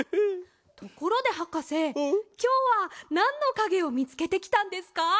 ところではかせきょうはなんのかげをみつけてきたんですか？